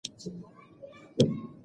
دی په خپلو خیالونو کې ډېر لرې تللی و.